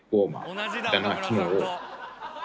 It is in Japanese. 同じ。